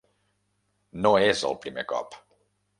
No és el primer cop.